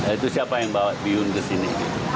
itu siapa yang bawa bihun ke sini